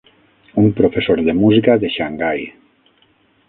Un professor de música de Xangai.